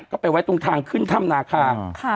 ก็ไปไว้ตรงทางขึ้นถ้ำนาคา